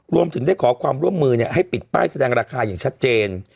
รวมถึงได้ขอความร่วมมือให้ปิดป้ายแสดงราคาอย่างชัดเจน